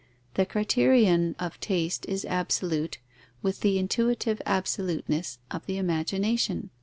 The criterion of taste is absolute, with the intuitive absoluteness of the imagination.